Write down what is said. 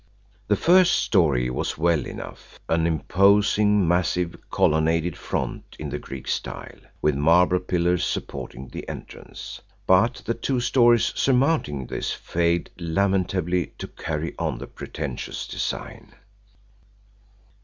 The first story was well enough an imposing, massive, colonnaded front in the Greek style, with marble pillars supporting the entrance. But the two stories surmounting this failed lamentably to carry on the pretentious design.